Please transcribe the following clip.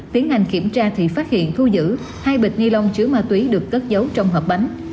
tiến hành kiểm tra thì phát hiện thu giữ hai bịch ni lông chứa ma túy được cất giấu trong hộp bánh